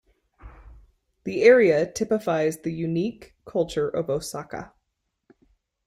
The area typifies the unique culture of Osaka.